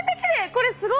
これすごい！